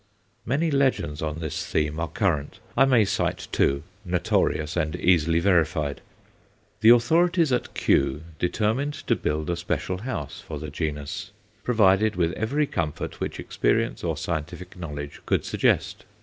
Many legends on this theme are current; I may cite two, notorious and easily verified. The authorities at Kew determined to build a special house for the genus, provided with every comfort which experience or scientific knowledge could suggest.